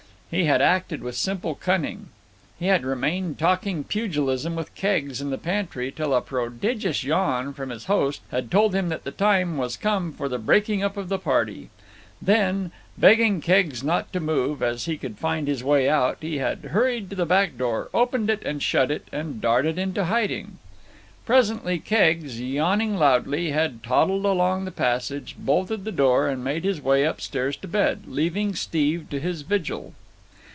He had acted with simple cunning. He had remained talking pugilism with Keggs in the pantry till a prodigious yawn from his host had told him that the time was come for the breaking up of the party. Then, begging Keggs not to move, as he could find his way out, he had hurried to the back door, opened and shut it, and darted into hiding. Presently Keggs, yawning loudly, had toddled along the passage, bolted the door, and made his way upstairs to bed, leaving Steve to his vigil.